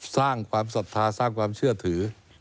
สร้างความศรัทธาสร้างความเชื่อถือ